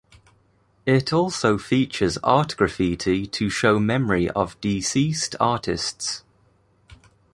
It also features Art graffiti to show memory of deceased artists.